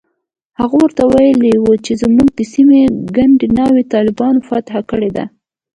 هغه ورته ويلي و چې زموږ د سيمې ګردې ناوې طالبانو فتح کړي دي.